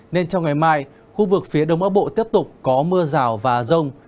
nên trong ngày mai khu vực phía đông bắc bộ tiếp tục có mưa rào và rông